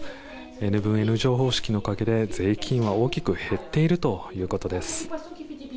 Ｎ分Ｎ乗方式のおかげで税金は大きく減っているということです。